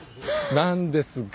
なんですが。